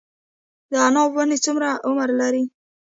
د عناب ونې څومره عمر لري؟